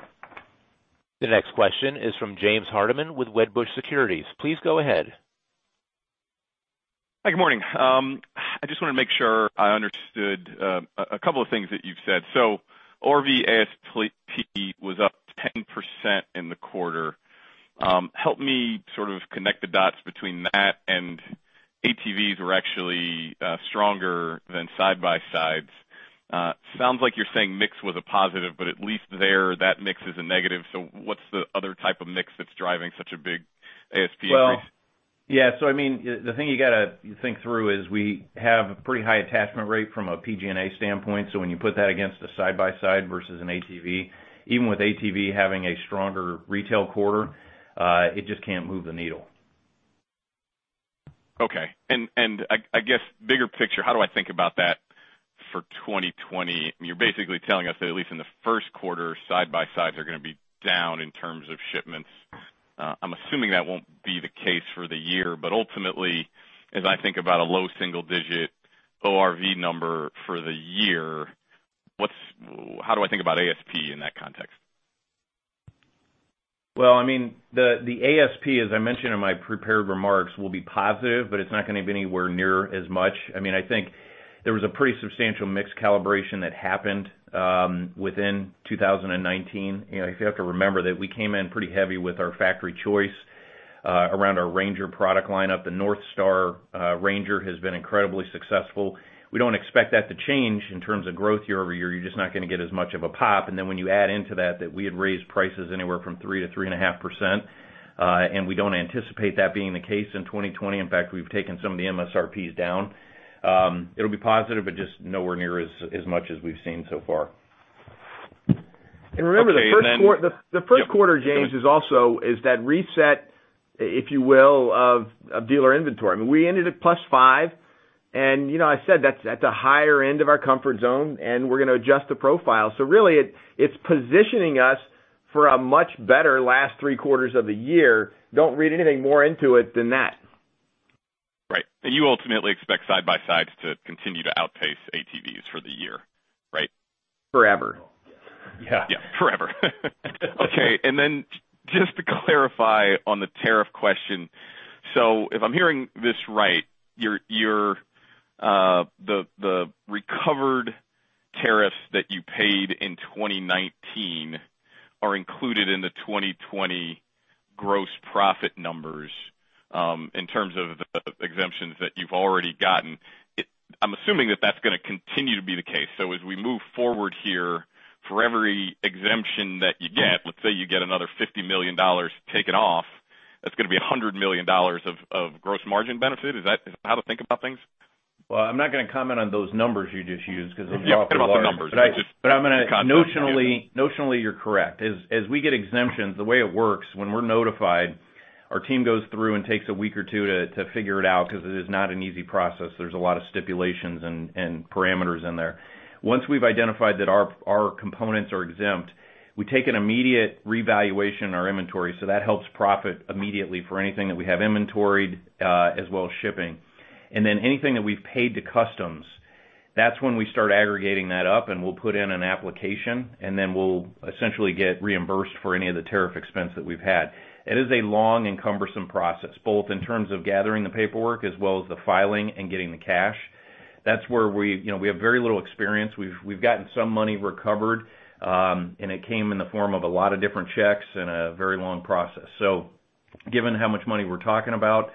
The next question is from James Hardiman with Wedbush Securities. Please go ahead. Hi, good morning. I just want to make sure I understood a couple of things that you've said. ORV ASP was up 10% in the quarter. Help me sort of connect the dots between that and ATVs were actually stronger than side-by-sides. Sounds like you're saying mix was a positive, but at least there, that mix is a negative. What's the other type of mix that's driving such a big ASP increase? Well, yeah. The thing you got to think through is we have a pretty high attachment rate from a PG&A standpoint. When you put that against a side-by-side versus an ATV, even with ATV having a stronger retail quarter, it just can't move the needle. Okay. I guess, bigger picture, how do I think about that for 2020? You're basically telling us that at least in the first quarter, side-by-sides are going to be down in terms of shipments. I'm assuming that won't be the case for the year. Ultimately, as I think about a low single-digit ORV number for the year, how do I think about ASP in that context? The ASP, as I mentioned in my prepared remarks, will be positive, but it's not going to be anywhere near as much. I think there was a pretty substantial mix calibration that happened within 2019. You have to remember that we came in pretty heavy with our Factory Choice around our Ranger product lineup. The NorthStar Ranger has been incredibly successful. We don't expect that to change in terms of growth year-over-year. You're just not going to get as much of a pop. When you add into that we had raised prices anywhere from 3%-3.5%, and we don't anticipate that being the case in 2020. In fact, we've taken some of the MSRPs down. It'll be positive, but just nowhere near as much as we've seen so far. Okay. Remember the first quarter, James, is also that reset, if you will, of dealer inventory. We ended at +5% and I said that's at the higher end of our comfort zone and we're going to adjust the profile. Really it's positioning us for a much better last three quarters of the year. Don't read anything more into it than that. Right. You ultimately expect side-by-sides to continue to outpace ATVs for the year, right? Forever. Yeah. Yeah, forever. Okay. Just to clarify on the tariff question. If I'm hearing this right, the recovered tariffs that you paid in 2019 are included in the 2020 gross profit numbers, in terms of the exemptions that you've already gotten. I'm assuming that's going to continue to be the case. As we move forward here, for every exemption that you get, let's say you get another $50 million taken off, that's going to be $100 million of gross margin benefit. Is that how to think about things? Well, I'm not going to comment on those numbers you just used. Yeah, forget about the numbers, just the concept. Notionally you're correct. As we get exemptions, the way it works when we're notified, our team goes through and takes a week or two to figure it out because it is not an easy process. There's a lot of stipulations and parameters in there. Once we've identified that our components are exempt, we take an immediate revaluation in our inventory. That helps profit immediately for anything that we have inventoried, as well as shipping. Anything that we've paid to customs, that's when we start aggregating that up and we'll put in an application, and then we'll essentially get reimbursed for any of the tariff expense that we've had. It is a long and cumbersome process, both in terms of gathering the paperwork as well as the filing and getting the cash. That's where we have very little experience. We've gotten some money recovered, and it came in the form of a lot of different checks and a very long process. Given how much money we're talking about,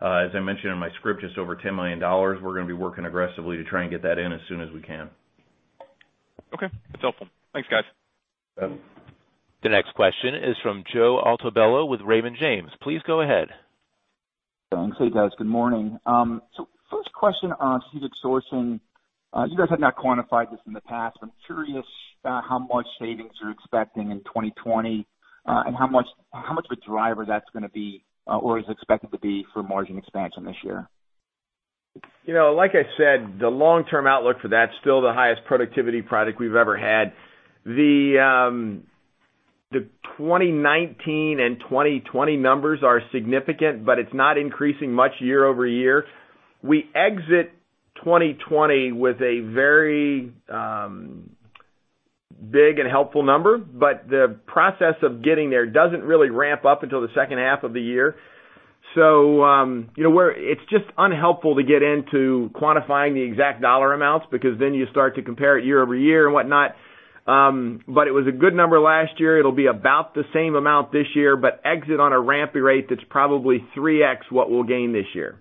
as I mentioned in my script, just over $10 million, we're going to be working aggressively to try and get that in as soon as we can. Okay, that's helpful. Thanks, guys. The next question is from Joe Altobello with Raymond James. Please go ahead. You guys, good morning. First question on strategic sourcing. You guys have not quantified this in the past. I'm curious how much savings you're expecting in 2020, and how much of a driver that's going to be or is expected to be for margin expansion this year? Like I said, the long-term outlook for that's still the highest productivity product we've ever had. The 2019 and 2020 numbers are significant, but it's not increasing much year-over-year. We exit 2020 with a very big and helpful number. The process of getting there doesn't really ramp up until the second half of the year. It's just unhelpful to get into quantifying the exact dollar amounts, because then you start to compare it year-over-year and whatnot. It was a good number last year. It'll be about the same amount this year, but exit on a rampy rate that's probably 3x what we'll gain this year.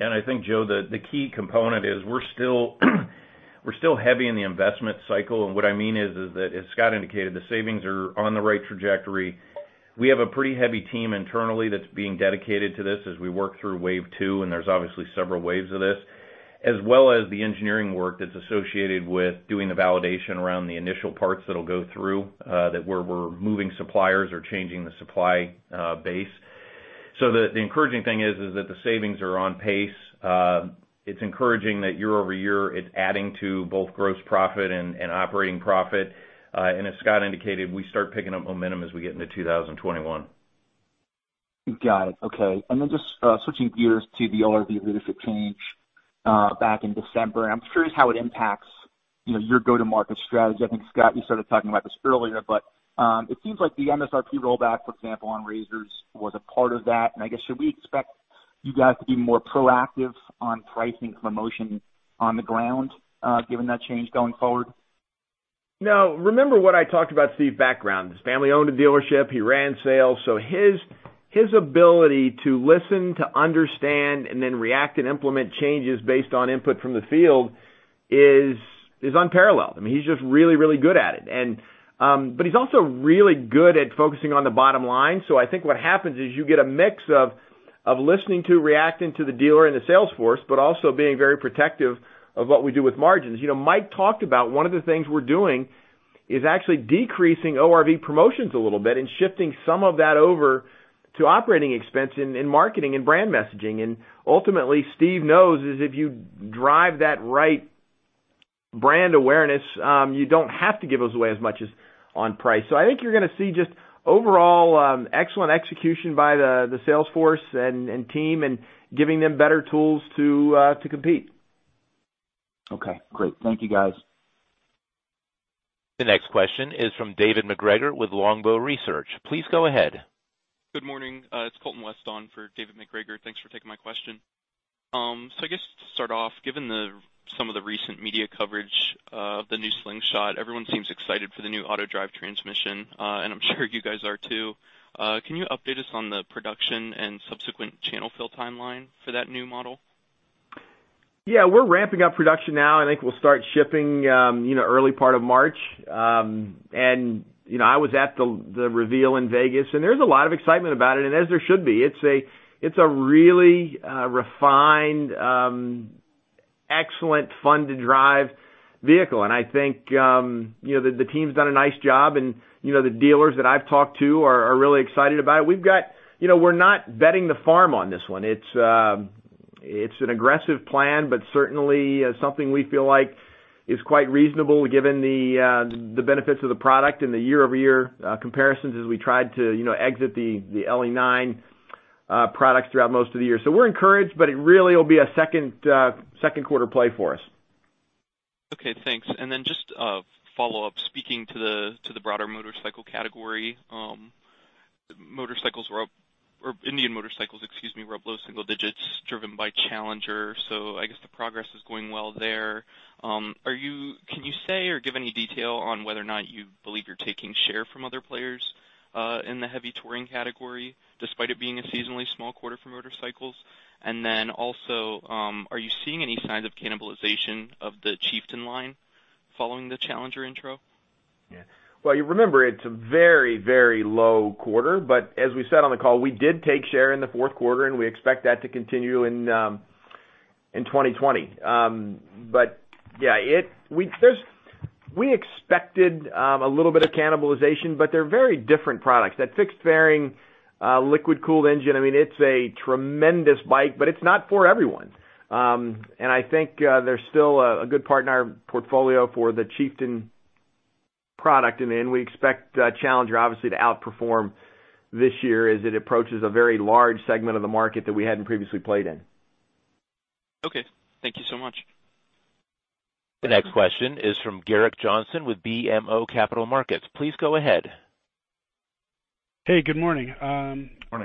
I think, Joe, the key component is we're still heavy in the investment cycle. What I mean is that, as Scott indicated, the savings are on the right trajectory. We have a pretty heavy team internally that's being dedicated to this as we work through wave 2, and there's obviously several waves of this, as well as the engineering work that's associated with doing the validation around the initial parts that'll go through where we're moving suppliers or changing the supply base. The encouraging thing is that the savings are on pace. It's encouraging that year-over-year, it's adding to both gross profit and operating profit. As Scott indicated, we start picking up momentum as we get into 2021. Got it. Okay, then just switching gears to the ORV leadership change back in December. I'm curious how it impacts your go-to-market strategy. I think, Scott, you started talking about this earlier, but it seems like the MSRP rollback, for example, on RZRs, was a part of that. I guess, should we expect you guys to be more proactive on pricing promotion on the ground given that change going forward? Remember what I talked about Steve's background. His family owned a dealership, he ran sales, his ability to listen, to understand, and then react and implement changes based on input from the field is unparalleled. I mean, he's just really good at it. He's also really good at focusing on the bottom line. I think what happens is you get a mix of listening to, reacting to the dealer and the sales force, but also being very protective of what we do with margins. Mike talked about one of the things we're doing is actually decreasing ORV promotions a little bit and shifting some of that over to operating expense in marketing and brand messaging. Ultimately, Steve knows is if you drive that right brand awareness you don't have to give as away as much as on price. I think you're going to see just overall excellent execution by the sales force and team and giving them better tools to compete. Okay, great. Thank you guys. The next question is from David MacGregor with Longbow Research. Please go ahead. Good morning, it's Colton West on for David MacGregor. Thanks for taking my question. I guess to start off, given some of the recent media coverage of the new Slingshot, everyone seems excited for the new AutoDrive transmission and I'm sure you guys are too. Can you update us on the production and subsequent channel fill timeline for that new model? Yeah, we're ramping up production now. I think we'll start shipping early part of March. I was at the reveal in Vegas, and there's a lot of excitement about it, and as there should be. It's a really refined, excellent, fun-to-drive vehicle. I think the team's done a nice job and the dealers that I've talked to are really excited about it. We're not betting the farm on this one. It's an aggressive plan, but certainly something we feel like is quite reasonable given the benefits of the product and the year-over-year comparisons as we tried to exit the LE9 products throughout most of the year. We're encouraged, but it really will be a second quarter play for us. Okay, thanks. Just a follow-up, speaking to the broader motorcycle category. Indian motorcycles were up low single digits driven by Challenger. I guess the progress is going well there. Can you say or give any detail on whether or not you believe you're taking share from other players in the heavy touring category, despite it being a seasonally small quarter for motorcycles? Are you seeing any signs of cannibalization of the Chieftain line following the Challenger intro? Well, you remember it's a very low quarter. As we said on the call, we did take share in the fourth quarter. We expect that to continue in 2020. Yeah, we expected a little bit of cannibalization. They're very different products. That fixed fairing, liquid-cooled engine, it's a tremendous bike. It's not for everyone. I think there's still a good part in our portfolio for the Chieftain product. We expect Challenger obviously to outperform this year as it approaches a very large segment of the market that we hadn't previously played in. Okay, thank you so much. The next question is from Gerrick Johnson with BMO Capital Markets. Please go ahead. Hey, good morning. Morning. Good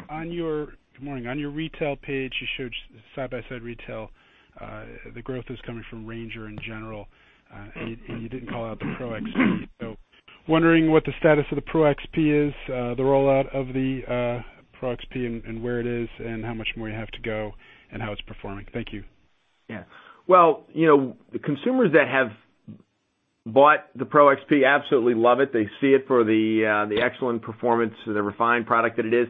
morning. On your retail page, you showed side-by-side retail. The growth is coming from Ranger in general and you didn't call out the Pro XP. Wondering what the status of the Pro XP is, the rollout of the Pro XP and where it is and how much more you have to go and how it's performing? Thank you. Well, the consumers that have bought the Pro XP absolutely love it. They see it for the excellent performance, the refined product that it is.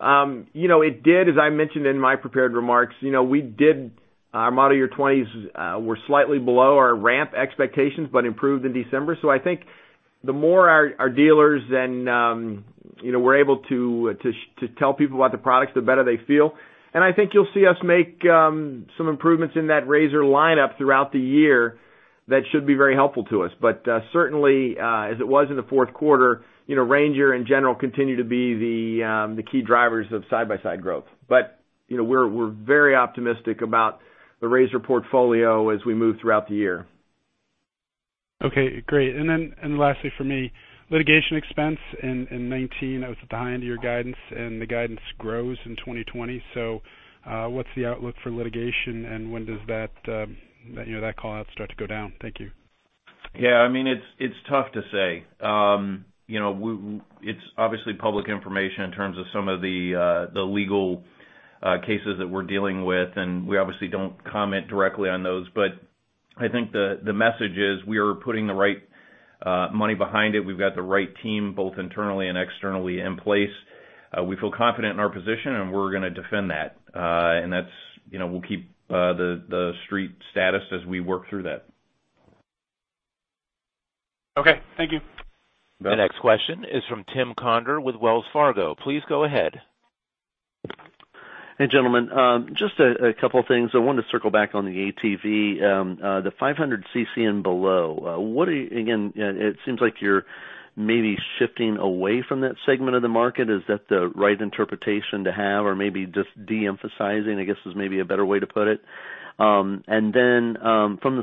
It did, as I mentioned in my prepared remarks, our model year 2020 were slightly below our ramp expectations but improved in December. I think the more our dealers then were able to tell people about the products, the better they feel. I think you'll see us make some improvements in that RZR lineup throughout the year that should be very helpful to us. Certainly, as it was in the fourth quarter, Ranger in general continue to be the key drivers of side-by-side growth. We're very optimistic about the RZR portfolio as we move throughout the year. Okay, great. Lastly for me, litigation expense in 2019 was behind your guidance and the guidance grows in 2020. What's the outlook for litigation and when does that call-out start to go down? Thank you. Yeah, it's tough to say. It's obviously public information in terms of some of the legal cases that we're dealing with, and we obviously don't comment directly on those. I think the message is we are putting the right money behind it. We've got the right team, both internally and externally, in place. We feel confident in our position, and we're going to defend that. We'll keep the street status as we work through that. Okay, thank you. You bet. The next question is from Tim Conder with Wells Fargo. Please go ahead. Hey, gentlemen. Just a couple things. I wanted to circle back on the ATV, the 500cc and below. Again, it seems like you're maybe shifting away from that segment of the market. Is that the right interpretation to have? Maybe just de-emphasizing, I guess, is maybe a better way to put it. From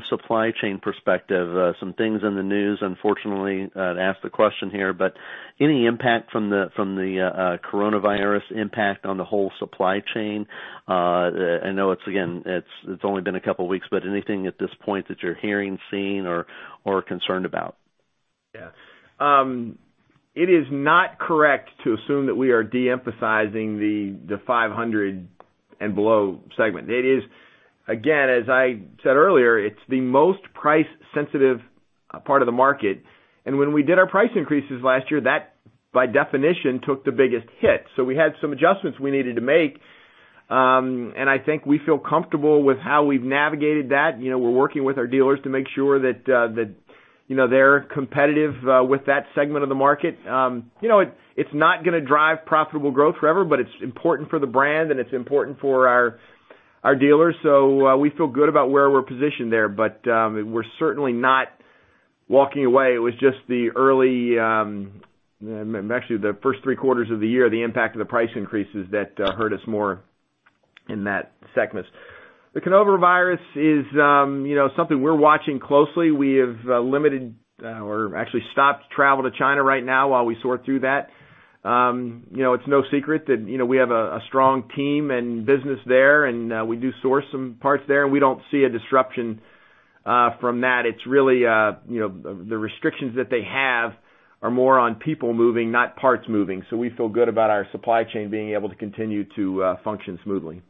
the supply chain perspective, some things in the news, unfortunately, that ask the question here, any impact from the coronavirus impact on the whole supply chain? I know it's, again, it's only been a couple of weeks, anything at this point that you're hearing, seeing, or concerned about? Yeah. It is not correct to assume that we are de-emphasizing the 500 and below segment. It is, again, as I said earlier, it's the most price-sensitive part of the market. When we did our price increases last year, that, by definition, took the biggest hit. We had some adjustments we needed to make. I think we feel comfortable with how we've navigated that. We're working with our dealers to make sure that they're competitive with that segment of the market. It's not going to drive profitable growth forever, but it's important for the brand and it's important for our dealers. We feel good about where we're positioned there. We're certainly not walking away. It was just the early, actually the first three quarters of the year, the impact of the price increases that hurt us more in that segment. The coronavirus is something we're watching closely. We have limited or actually stopped travel to China right now while we sort through that. It's no secret that we have a strong team and business there, and we do source some parts there. We don't see a disruption from that. It's really the restrictions that they have are more on people moving, not parts moving. We feel good about our supply chain being able to continue to function smoothly.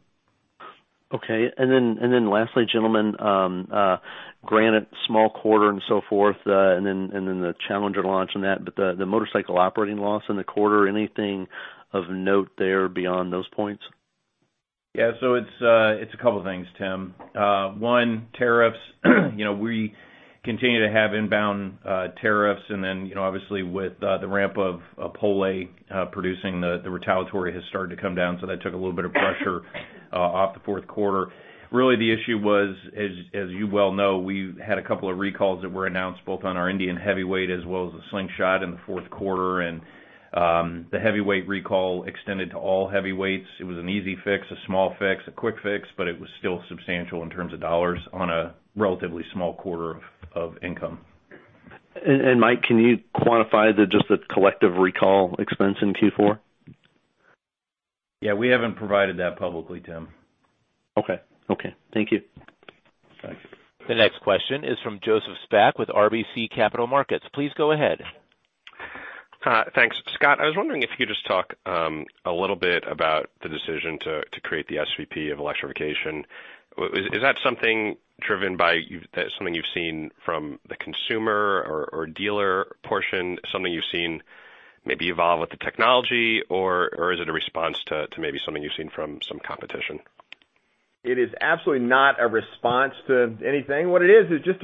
Okay. Then lastly, gentlemen, granted small quarter and so forth, then the Challenger launch and that. The motorcycle operating loss in the quarter, anything of note there beyond those points? It's a couple things, Tim. One, tariffs. We continue to have inbound tariffs and then, obviously with the ramp of Opole producing, the retaliatory has started to come down. That took a little bit of pressure off the fourth quarter. Really the issue was, as you well know, we had a couple of recalls that were announced both on our Indian heavyweight as well as the Slingshot in the fourth quarter. The heavyweight recall extended to all heavyweights. It was an easy fix, a small fix, a quick fix, but it was still substantial in terms of dollars on a relatively small quarter of income. Mike, can you quantify just the collective recall expense in Q4? Yeah, we haven't provided that publicly, Tim. Okay, thank you. Thank you. The next question is from Joseph Spak with RBC Capital Markets. Please go ahead. Thanks. Scott, I was wondering if you could just talk a little bit about the decision to create the SVP of Electrification. Is that something driven by something you've seen from the consumer or dealer portion, something you've seen maybe evolve with the technology? Is it a response to maybe something you've seen from some competition? It is absolutely not a response to anything. What it is just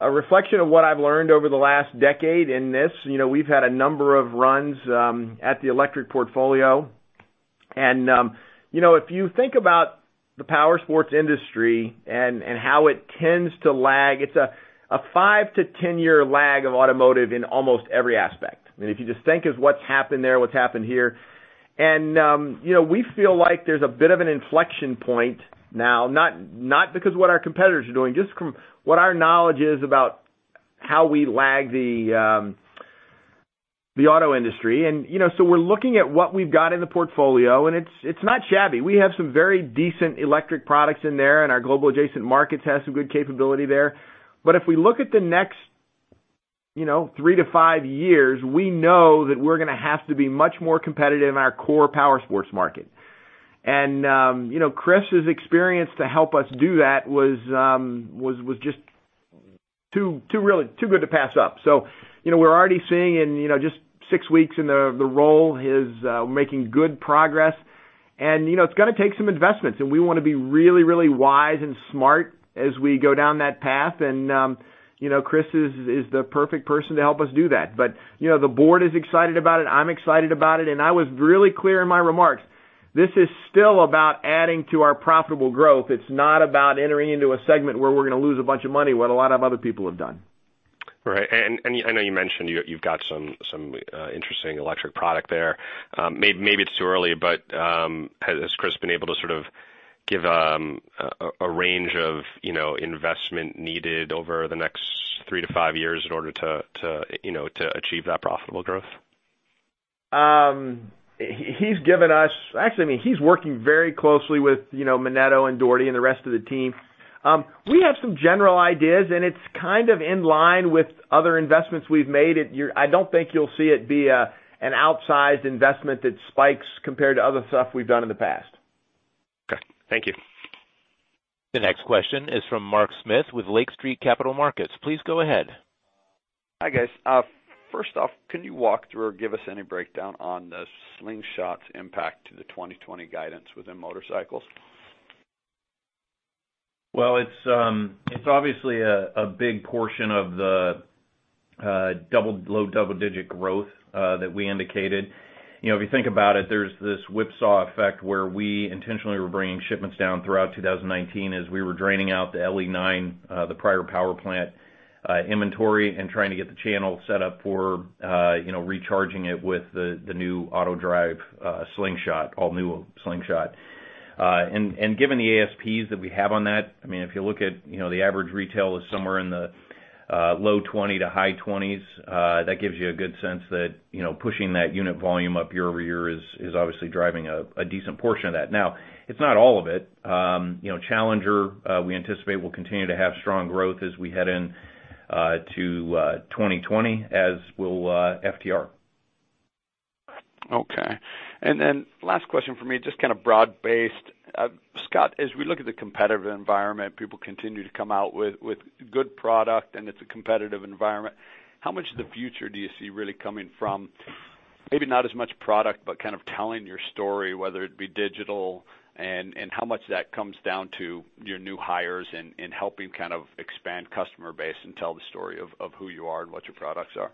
a reflection of what I've learned over the last decade in this. We've had a number of runs at the electric portfolio. If you think about the powersports industry and how it tends to lag, it's a 5-10 years lag of automotive in almost every aspect. If you just think of what's happened there, what's happened here. We feel like there's a bit of an inflection point now, not because of what our competitors are doing, just from what our knowledge is about how we lag the auto industry. We're looking at what we've got in the portfolio, and it's not shabby. We have some very decent electric products in there, and our global adjacent markets has some good capability there. If we look at the next three to five years, we know that we're going to have to be much more competitive in our core powersports market. Chris's experience to help us do that was just too good to pass up. We're already seeing in just six weeks in the role, he's making good progress. It's going to take some investments, and we want to be really wise and smart as we go down that path. Chris is the perfect person to help us do that. The board is excited about it. I'm excited about it, and I was really clear in my remarks. This is still about adding to our profitable growth. It's not about entering into a segment where we're going to lose a bunch of money, what a lot of other people have done. Right. I know you mentioned you've got some interesting electric product there. Maybe it's too early, but has Chris been able to sort of give a range of investment needed over the next three to five years in order to achieve that profitable growth? Actually, he's working very closely with Menneto and Dougherty and the rest of the team. We have some general ideas, and it's kind of in line with other investments we've made. I don't think you'll see it be an outsized investment that spikes compared to other stuff we've done in the past. Okay, thank you. The next question is from Mark Smith with Lake Street Capital Markets. Please go ahead. Hi, guys. First off, can you walk through or give us any breakdown on the Slingshot's impact to the 2020 guidance within motorcycles? Well, it's obviously a big portion of the low double-digit growth that we indicated. If you think about it, there's this whipsaw effect where we intentionally were bringing shipments down throughout 2019 as we were draining out the LE9, the prior powerplant inventory, and trying to get the channel set up for recharging it with the new AutoDrive Slingshot, all new Slingshot. Given the ASPs that we have on that, if you look at the average retail is somewhere in the low $20s to high $20s. That gives you a good sense that pushing that unit volume up year-over-year is obviously driving a decent portion of that. Now, it's not all of it. Challenger, we anticipate, will continue to have strong growth as we head into 2020, as will FTR. Okay. Last question from me, just kind of broad-based. Scott, as we look at the competitive environment, people continue to come out with good product, and it's a competitive environment. How much of the future do you see really coming from maybe not as much product, but kind of telling your story, whether it be digital, and how much that comes down to your new hires and helping kind of expand customer base and tell the story of who you are and what your products are?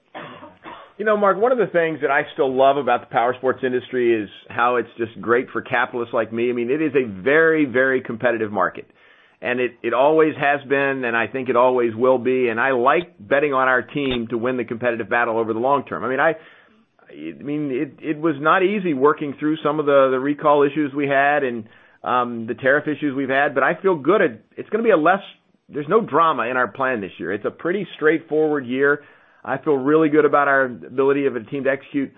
Mark, one of the things that I still love about the powersports industry is how it's just great for capitalists like me. It is a very, very competitive market, and it always has been, and I think it always will be, and I like betting on our team to win the competitive battle over the long term. It was not easy working through some of the recall issues we had and the tariff issues we've had, but I feel good. There's no drama in our plan this year. It's a pretty straightforward year. I feel really good about our ability of the team to execute.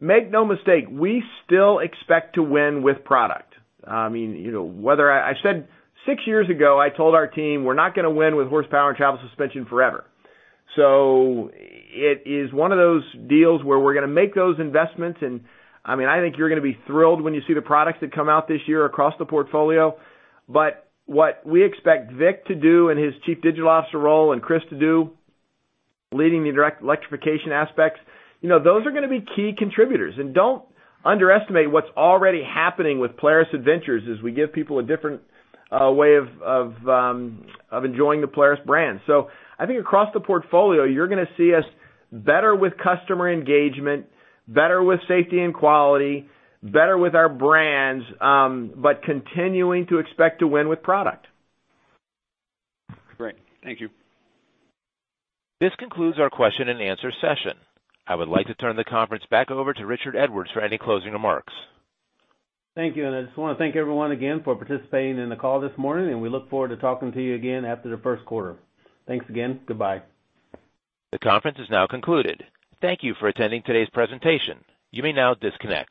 Make no mistake, we still expect to win with product. Six years ago, I told our team, we're not going to win with horsepower and travel suspension forever. It is one of those deals where we're going to make those investments, and I think you're going to be thrilled when you see the products that come out this year across the portfolio. What we expect Vic to do in his Chief Digital Officer role and Chris to do, leading the electrification aspects, those are going to be key contributors. Don't underestimate what's already happening with Polaris Adventures as we give people a different way of enjoying the Polaris brand. I think across the portfolio, you're going to see us better with customer engagement, better with safety and quality, better with our brands but continuing to expect to win with product. Great. Thank you. This concludes our question-and-answer session. I would like to turn the conference back over to Richard Edwards for any closing remarks. Thank you. I just want to thank everyone again for participating in the call this morning, and we look forward to talking to you again after the first quarter. Thanks again. Goodbye. The conference is now concluded. Thank you for attending today's presentation, you may now disconnect.